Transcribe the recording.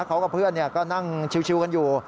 เขากับเพื่อนก็นั่งชิวกันอยู่